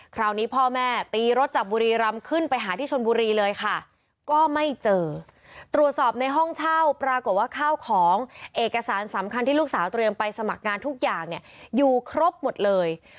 คราวนี้พ่อแม่ตีรถจับบุรีรำขึ้นไปหาที่ชนบุรีเลยค่ะก็ไม่เจอ